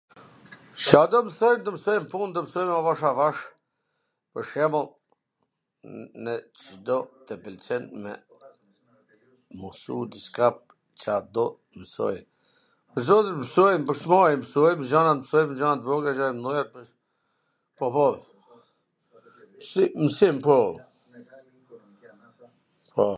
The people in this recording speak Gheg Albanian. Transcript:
Ca do msoj, do msoj n pun, do msoj avash avash, pwr shembull nwse tw pwlqen me msu diCka, Ca do mwsoje? Pwr zotin, msojm, po e msojm, pwr s mbari msojm gjana, msojm gjana t vogla, gjana t mdhaja, po po, mwsim, po, po,